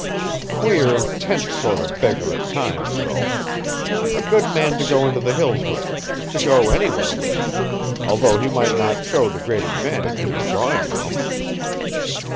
Queer, tense sort of beggar at times, though. A good man to go into the hills with to go anywhere with although he might not show to great advantage in a drawing room.